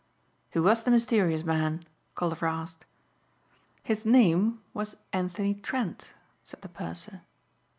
"Who was the mysterious man?" Colliver asked. "His name was Anthony Trent," said the purser.